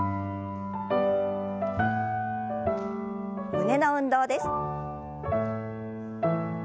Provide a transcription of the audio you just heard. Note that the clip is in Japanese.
胸の運動です。